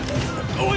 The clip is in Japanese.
おい！